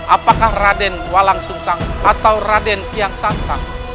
apakah raden walang sungsang atau raden kian santang